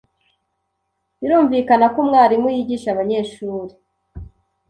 Birumvikana ko umwarimu yigisha abanyeshuri